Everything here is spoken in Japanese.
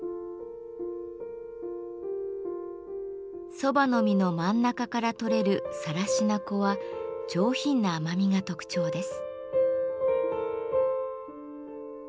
蕎麦の実の真ん中から取れる更科粉は上品な甘みが特徴です。